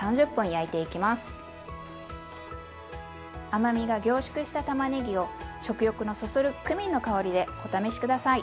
甘みが凝縮したたまねぎを食欲のそそるクミンの香りでお試し下さい！